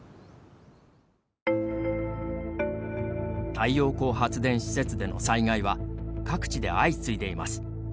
太陽光発電施設での災害は各地で相次いでいます。